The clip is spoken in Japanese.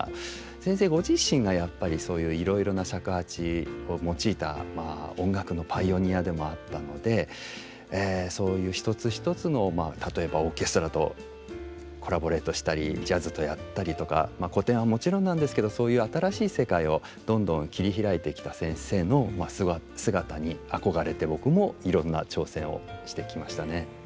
先生ご自身がやっぱりそういういろいろな尺八を用いた音楽のパイオニアでもあったのでそういう一つ一つの例えばオーケストラとコラボレートしたりジャズとやったりとか古典はもちろんなんですけどそういう新しい世界をどんどん切り開いてきた先生の姿に憧れて僕もいろんな挑戦をしてきましたね。